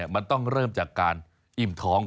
มันต้องเริ่มจากการอิ่มท้อง